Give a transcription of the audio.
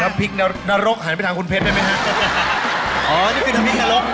พริกนรกหันไปทางคุณเพชรได้ไหมฮะอ๋อนี่คือน้ำพริกนรก